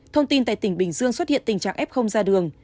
thông tin tại tỉnh bình dương xuất hiện tình trạng f ra đường